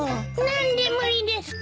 何で無理ですか？